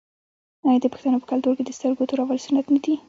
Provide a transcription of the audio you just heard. آیا د پښتنو په کلتور کې د سترګو تورول سنت نه دي؟